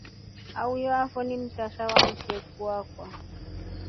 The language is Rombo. Aftyo akwaa ni msasha wa msheku akwa.